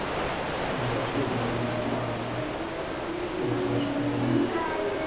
۔مرچی دیوان من ءَ باز وش بُوگ ءَ اِنت۔